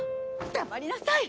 黙りなさい！